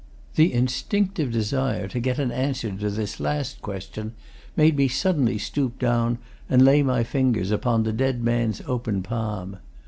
The instinctive desire to get an answer to this last question made me suddenly stoop down and lay my fingers on the dead man's open palm.